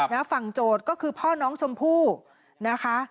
ฝั่งโจทย์ก็คือพ่อน้องชมพู่นะคะ